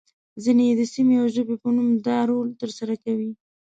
ځینې يې د سیمې او ژبې په نوم دا رول ترسره کوي.